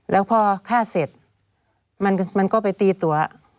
แล้วพอฆ่าเสร็จมันก็ไปตีตัว